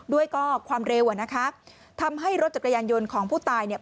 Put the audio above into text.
ด้วยก็ความเร็วอ่ะนะคะทำให้รถจักรยานยนต์ของผู้ตายเนี่ย